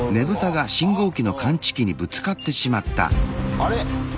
あれ？